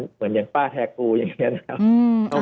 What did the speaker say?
เหมือนอย่างป้าแฮกูอย่างนี้นะครับ